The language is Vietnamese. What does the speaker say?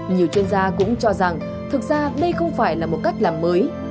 nhiều chuyên gia cũng cho rằng thực ra đây không phải là một cách làm mới